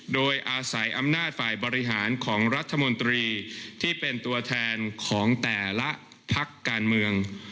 โดยอาศัยอำนาจฝ่ายบริหารของรัฐมนตรีที่เป็นตัวแทนของแต่ละพักการเมือง